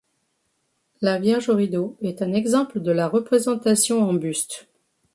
La Vierge au rideau est un exemple de la représentation en buste.